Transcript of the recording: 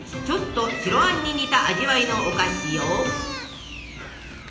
ちょっと白あんに似た味わいのお菓子よ。